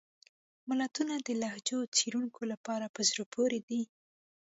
متلونه د لهجو څېړونکو لپاره په زړه پورې دي